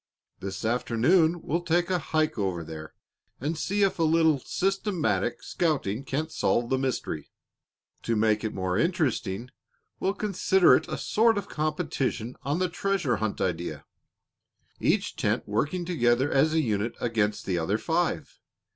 This afternoon we'll take a hike over there and see if a little systematic scouting can't solve the mystery. To make it more interesting, we'll consider it a sort of competition on the treasure hunt idea, each tent working together as a unit against the other five.